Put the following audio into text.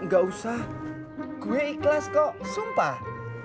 gak usah gue ikhlas kok sumpah